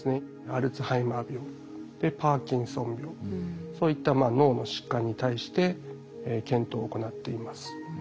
アルツハイマー病パーキンソン病そういった脳の疾患に対して検討を行っています。